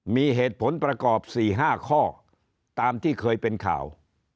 มีเหตุผลประกอบ๔๕ข้อตามที่เคยเป็นข่าว